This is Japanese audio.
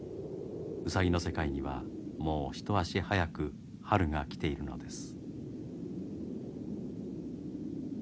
ウサギの世界にはもう一足早く春が来ているのです。